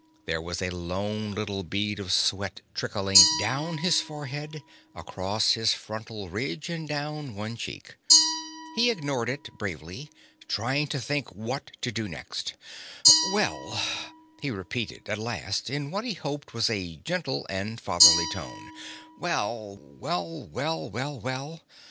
There was a lone little bead of sweat trickling down his forehead, across his frontal ridge and down one cheek. He ignored it bravely, trying to think what to do next. "Well," he repeated at last, in what he hoped was a gentle and fatherly tone. "Well, well, well, well, well."